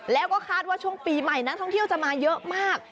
แล้วก็คาดว่าช่วงปีใหม่นักท่องเที่ยวจะมาเยอะมาก